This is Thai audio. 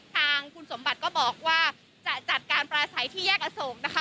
ทางคุณสมบัติก็บอกว่าจะจัดการปลาใสที่แยกอโศกนะคะ